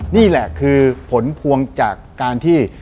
นี่แหละคือผลพวงจากการที่